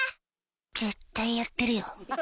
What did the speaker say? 絶対やってるよ。